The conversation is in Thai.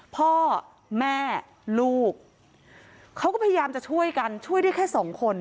พ่อแม่ลูกเขาก็พยายามจะช่วยกันช่วยได้แค่สองคน